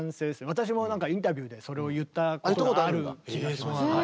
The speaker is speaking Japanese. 私もなんかインタビューでそれを言ったことがある気がします。